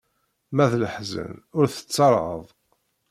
Ma d leḥzen ur tettaraḍ.